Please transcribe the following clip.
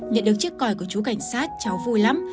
nhận được chiếc còi của chú cảnh sát cháu vui lắm